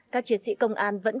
các chiến sĩ công an vẫn cố gắng